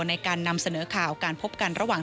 ในการนำเสนอข่าวการพบกันระหว่าง